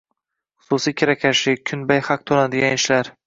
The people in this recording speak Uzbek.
xususiy kirakashlik, kunbay haq to‘lanadigan ishlar